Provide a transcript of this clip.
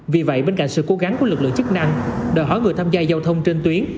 vì vậy bên cạnh sự cố gắng của lực lượng chức năng đòi hỏi người tham gia giao thông trên tuyến